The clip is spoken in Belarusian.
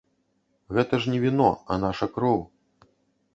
Гэта ж не віно, а наша кроў.